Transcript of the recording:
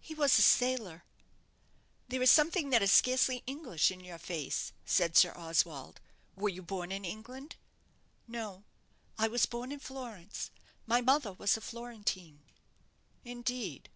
"He was a sailor." "There is something that is scarcely English in your face," said Sir Oswald; "were you born in England?" "No, I was born in Florence; my mother was a Florentine." "Indeed."